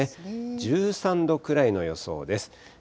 １３度くらいの予想です。